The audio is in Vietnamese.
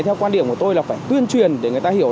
theo quan điểm của tôi là phải tuyên truyền để người ta hiểu